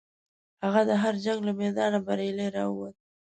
هغه د هر جنګ له میدانه بریالی راووت.